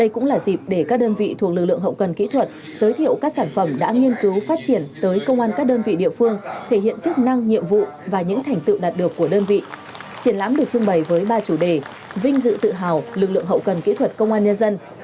công an các đơn vị địa phương tổ chức phổ biến các tác phẩm đoạt giải đến toàn bộ chiến sĩ của đơn vị có thành tích xuất sắc trong tổ chức và tham dự cuộc thi của bộ công an nhân dân